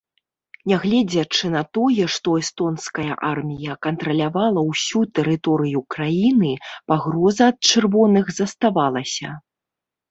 Нягледзячы на тое, што эстонская армія кантралявала ўсю тэрыторыю краіны, пагроза ад чырвоных заставалася.